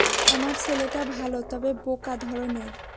আমার ছেলেটা ভালো, তবে বোকা ধরনের।